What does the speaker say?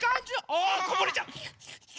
あこぼれちゃう。